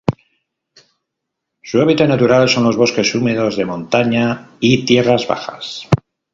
Su hábitat natural son los bosques húmedos de montaña y tierras bajas.